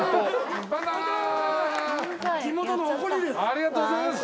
ありがとうございます。